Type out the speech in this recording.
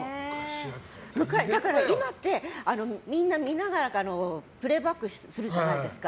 今って、みんな見ながらプレーバックするじゃないですか。